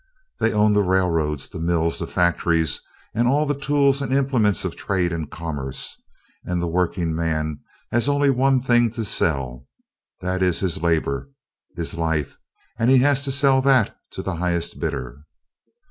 They own the railroads, the mills, the factories, and all the tools and implements of trade and commerce, and the workingman has only one thing to sell. That is his labor, his life; and he has to sell that to the highest bidder.